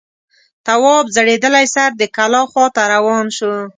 تواب ځړېدلی سر د کلا خواته روان شو.